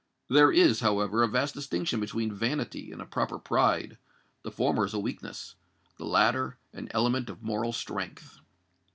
There is, however, a vast distinction between vanity and a proper pride: the former is a weakness—the latter the element of moral strength.